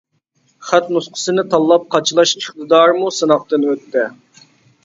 خەت نۇسخىسىنى تاللاپ قاچىلاش ئىقتىدارىمۇ سىناقتىن ئۆتتى.